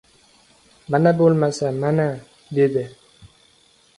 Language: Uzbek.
— Mana bo‘lmasa, mana! — dedi.